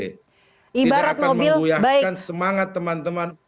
tidak akan mengguyahkan semangat teman teman